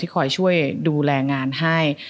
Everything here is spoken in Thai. คอยช่วยดูแลงานให้